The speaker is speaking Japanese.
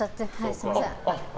すみません。